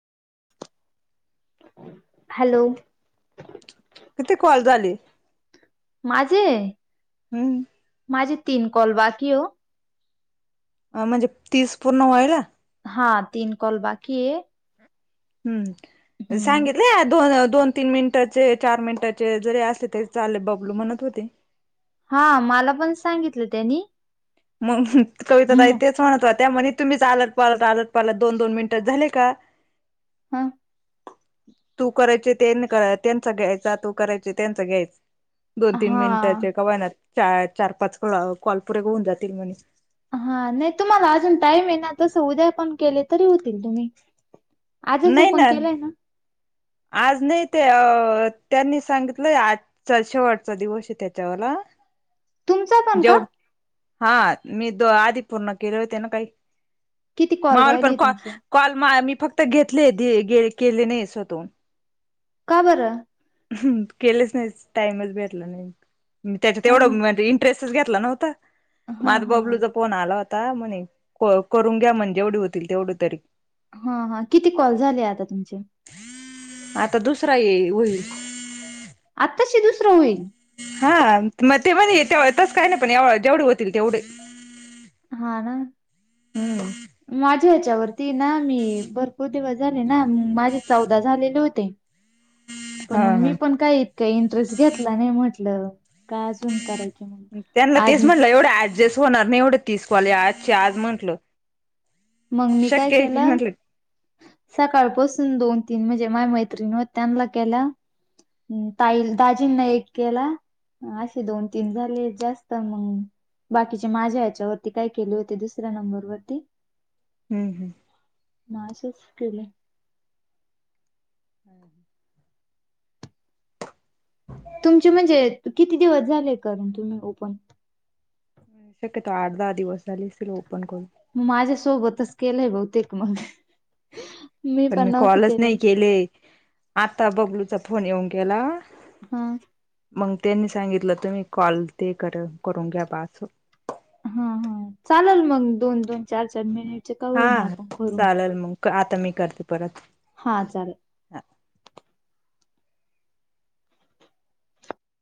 Hello. किती call झाली? माझे... हम्म. माझे तीन कॉल बाकी ओ. अ म्हणजे तीस पूर्ण व्हायला. हा तीन कॉल बाकी हे. हम्, ह सांगितलं दोन दोन. तीन मिनिटाचे चार मिनिटाचे जरी असले तरी चाले बबलू म्हणत होते. हा मला पण सांगितलं त्यांनी. मग, कविता ताई हम्म. तेच. म्हणत होत्या म्हने तुम्हीच झालत पालात आलत पालत दोन दोन मिनिटात झाले का. हा.. तू करायचे त्यां चा त्यांच घ्यायचा तू करायच त्यांचा घ्यायचा. दोन तीन हा मिनिटाचे का होईनात चार पाच कॉल पुरे होऊन जातील म्हणे. हा नाही तुम्हाला अजून टाईम ये ना तसं उद्या पण केले तरी होतील तुम्ही. आजच ओपन केलंय ना. आज नाही ते अ त्यांनी सांगितलंय आज. चल शेवटचा दिवस हे त्याच्यावाला. तुमचा पण का जों हा मी तो आधी पूर्ण केले होते ना काही. किती कॉल मापण राहिले कॉ ल तुमचे कॉल मी फक्त घेतले केले नाही स्वतः हून. का बर. केलेच नाही टाइमच भेटला नाही त्याच्यात अन तेवढं उमेदयेईल. ड्रेस च घे तला नव्हत हा मग हा बबलूचा फोन आला होता. ता म्हणे करून घ्या म्हने जेवढे होतील तेवढं तरी. हा हा किती कॉल झाले आता तुमचे. आता दुसरा येईल होईल. आत्ताशी दुसरं होईल. हा म ते म्हणे तेव तस नाही पण जेवढे तेवढे. हा ना... हम्... माझ्या याच्यावर ना मी भरपूर दिवस झाले ना माझे चौदा झालेले होते. [unintelligible] हा म्हणून मी हा पण काय इतकं इंटरेस्ट घेतला नाही म्हटलं का अजून करायचं. त्यांना तेच म्हटलं एवढं ऍडजस्ट होणार नाही एवढं तीस काॅल आजच्या आज म्हटलं. मग मी काय शक्य केलं सकाळपासून दोन तीन म्हणजे माय मैत्रिणी व त्यांनला केल ताई दाजींना एक केला. असे दोन तीन झाले जास्त मंग बाकीचे माझ्या ह्याच्या वरती काय केले होते दुसऱ्या नंबर वरती हम्म. म अशेच केले. हम हम तुमची म्हणजे किती दिवस झाले करून तुम्ही ओपन. शक्य तो आठ दहा दिवस झाली असतील ओपन करून. मग माझ्यासोबत केलंय बहुतेक मग पण मी कॉलच नाही केले आता बबलूचा फोन येऊन गेला. हा. मग त्यांनी सांगितलं तुम्ही कॉल ते कर करून घ्या बाचो हां हां चालेल मग दोन दोन चार चार मिनिट हा चालेल मग आता मी करते परत. हा चालेल.